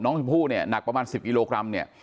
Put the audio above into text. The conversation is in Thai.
น้องชมพู่เนี่ยหนักประมาณ๑๐กิโลกรัมเนี่ย